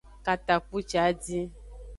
Katapucidin.